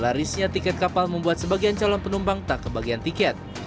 larisnya tiket kapal membuat sebagian calon penumpang tak kebagian tiket